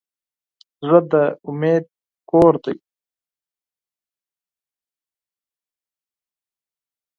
زړه د امید کور دی.